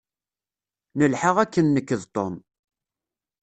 Nelḥa akken nekk d Tom.